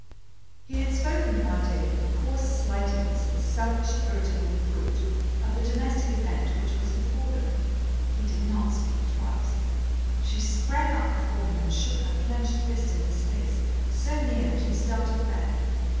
He had spoken one day with the coarse slightingness of a selfish, irritable brute, of the domestic event which was before them. He did not speak twice. She sprang up before him and shook her clenched fist in his face, so near that he started back.